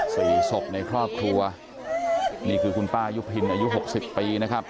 สี่ศพในครอบครัวนี่คือคุณป้ายุพินอายุหกสิบปีนะครับ